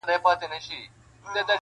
پوهنتون د میني ولوله که غواړې.